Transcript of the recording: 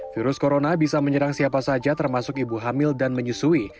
virus corona bisa menyerang siapa saja termasuk ibu hamil dan menyusui